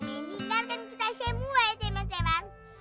menigarkan kita semua teman teman